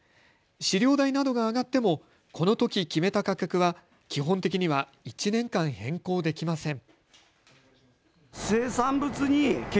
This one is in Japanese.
飼料代などが上がってもこのとき決めた価格は基本的には１年間変更できません。